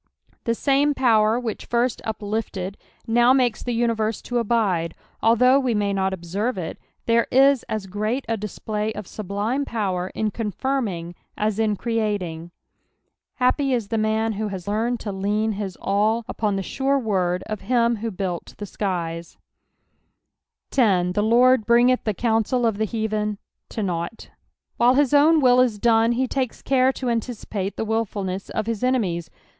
The same power which fiist uplifted, now mafcea the univerfe to abide ; although wo may oot obser^jiL it, there is aa great a display of sublime power in conlirming an in creating, ^appy is the man who has learned to lean bis all upon the sure word of him who built the skies I^ 10. " The Lurd hringeth the eauTiiel of the healhe^'^notight." While his own will is done, he takes care to anticipate the wilfulness of his enemies.